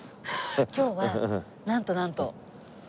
今日はなんとなんと。